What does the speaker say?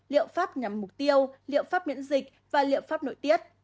liệu pháp nhằm mục tiêu liệu pháp miễn dịch và liệu pháp nội tiết